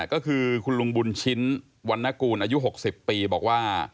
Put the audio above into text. ก็คือคุณลุงบุญชิ้นวันนกูลอายุ๖๐ปีบอกว่า